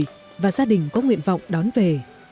tất cả các gia đình có nguyện vọng đón về